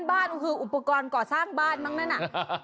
บ้านก็คืออุปกรณ์ก่อสร้างบ้านมั้งนั่นน่ะ